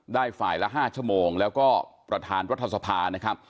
ฝ่ายละ๕ชั่วโมงแล้วก็ประธานรัฐสภานะครับ